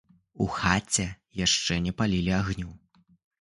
У хаце яшчэ не палілі агню.